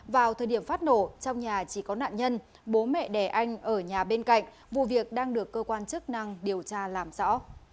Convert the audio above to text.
vào thời điểm phát nổ trong nhà chỉ có nạn nhân bố mẹ đẻ anh ở nhà bên cạnh vụ việc đang được cơ quan chức năng điều tra làm rõ